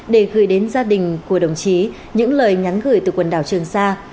để gửi đến gia đình của đồng chí những lời nhắn gửi từ quần đảo trường sa